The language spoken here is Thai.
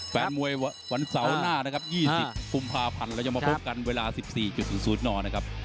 แฟนมวยวันเสาร์หน้านะครับ๒๐กุมภาพันธ์เราจะมาพบกันเวลา๑๔๐นนะครับ